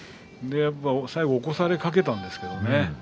最後、起こされかけたんですけどね。